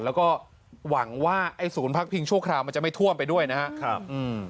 แล้วก็หวังว่าไอ้ศูนย์พักพิงชั่วคราวมันจะไม่ท่วมไปด้วยนะครับอืม